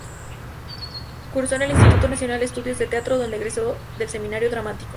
Cursó en el Instituto Nacional de Estudios de Teatro donde egresó del Seminario dramático.